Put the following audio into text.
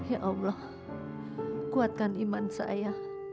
ya allah kuatkan iman saya